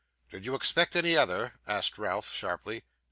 'Did you expect any other?' asked Ralph, sharply.